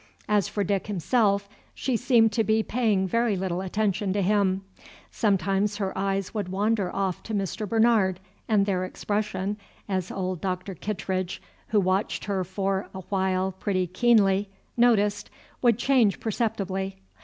As for Dick himself, she seemed to be paying very little attention to him. Sometimes her eyes would wander off to Mr. Bernard, and their expression, as old Dr. Kittredge, who watched her for a while pretty keenly, noticed, would change perceptibly.